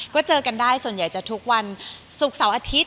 ก็เจอกันได้ส่วนใหญ่จะทุกวันศุกร์เสาร์อาทิตย